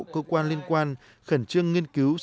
cơ quan liên quan khẩn trương nghiên cứu